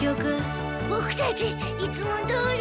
ボクたちいつもどおり。